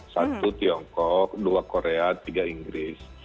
satu tiongkok dua korea tiga inggris